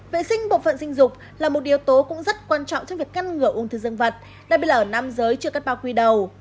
vệ sinh bộ phận sinh dục là một yếu tố cũng rất quan trọng trong việc ngăn ngừa ung thư dân vật đặc biệt là ở nam giới chưa cắt bao quy đầu